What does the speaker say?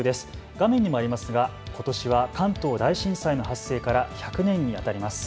画面にもありますがことしは関東大震災の発生から１００年にあたります。